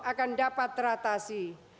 akan dapat teratasi